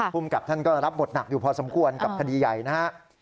ภูมิกับท่านก็รับบทหนักอยู่พอสมควรกับคดีใหญ่นะฮะ